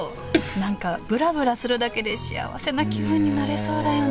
何かぶらぶらするだけでしあわせな気分になれそうだよね。